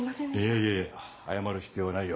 いえいえ謝る必要はないよ。